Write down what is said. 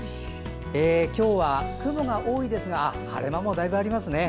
今日は雲が多いですが晴れ間もだいぶありますね。